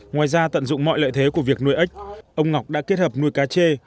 ngoài ra tận dụng mọi lợi thế của việc nuôi ếch ông ngọc đã kết hợp nuôi cá chê